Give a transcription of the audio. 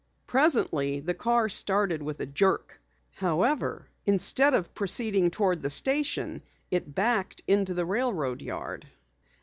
Presently the car started with a jerk. However, instead of proceeding toward the station it backed into the railroad yard.